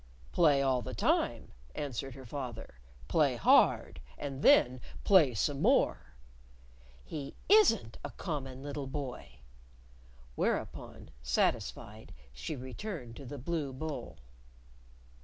"Play all the time," answered her father. "Play hard and then play some more." "He isn't a common little boy." Whereupon, satisfied, she returned to the blue bowl.